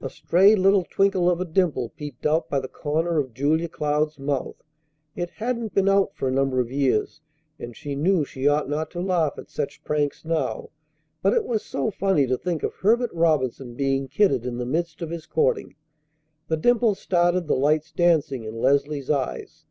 A stray little twinkle of a dimple peeped out by the corner of Julia Cloud's mouth. It hadn't been out for a number of years, and she knew she ought not to laugh at such pranks now; but it was so funny to think of Herbert Robinson being kidded in the midst of his courting! The dimple started the lights dancing in Leslie's eyes.